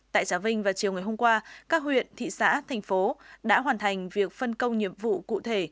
tại trà vinh vào chiều ngày hôm qua các huyện thị xã thành phố đã hoàn thành việc phân công nhiệm vụ cụ thể